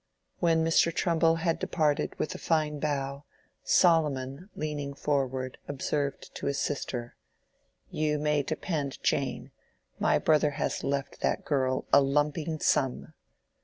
When Mr. Trumbull had departed with a fine bow, Solomon, leaning forward, observed to his sister, "You may depend, Jane, my brother has left that girl a lumping sum."